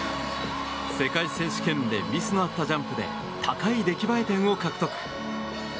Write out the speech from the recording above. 世界選手権でミスのあったジャンプで高い出来栄え点を獲得。